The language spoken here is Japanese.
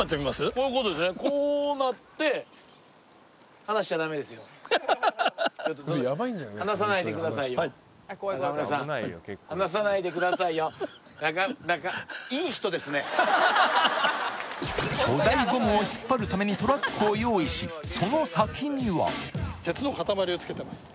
こういうことですねこうなってハハハハはいはい中中巨大ゴムを引っ張るためにトラックを用意しその先には鉄の塊をつけてます